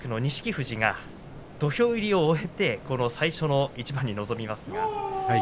富士が土俵入りを終えて最初の一番に臨みます。